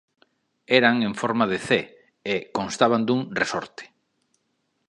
Eran en forma de "C" e constaban dun resorte.